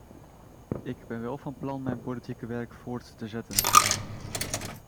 Ik ben wel van plan mijn politieke werk voort te zetten.